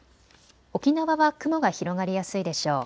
沖縄は雲が広がりやすいでしょう。